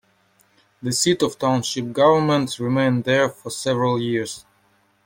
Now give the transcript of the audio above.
The seat of township government remained there for several years.